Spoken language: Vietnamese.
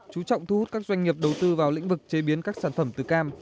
chú trọng thu hút các doanh nghiệp đầu tư vào lĩnh vực chế biến các sản phẩm từ cam